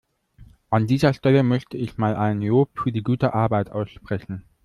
An dieser Stelle möchte ich mal ein Lob für die gute Arbeit aussprechen.